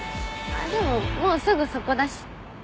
でももうすぐそこだし。